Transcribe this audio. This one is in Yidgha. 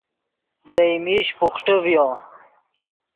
دئے میش بوخٹے ڤیو